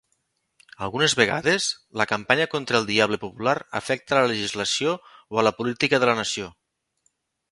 Algunes vegades, la campanya contra el diable popular afecta a la legislació o la política de la nació.